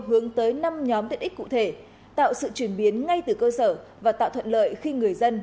hướng tới năm nhóm tiện ích cụ thể tạo sự chuyển biến ngay từ cơ sở và tạo thuận lợi khi người dân